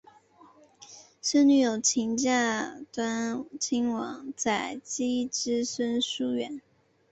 孙女诵琴嫁端亲王载漪之孙毓运。